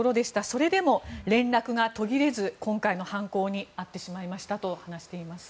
それでも連絡が途切れず今回の犯行に遭ってしまいましたと話しています。